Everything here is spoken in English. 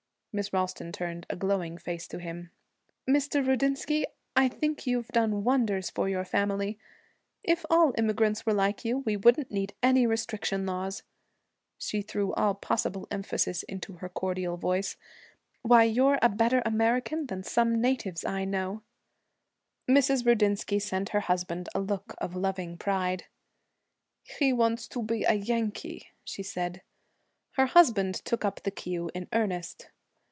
Miss Ralston turned a glowing face to him. 'Mr. Rudinsky, I think you've done wonders for your family. If all immigrants were like you, we wouldn't need any restriction laws.' She threw all possible emphasis into her cordial voice. 'Why, you're a better American than some natives I know!' Mrs. Rudinsky sent her husband a look of loving pride. 'He wants to be a Yankee,' she said. Her husband took up the cue in earnest.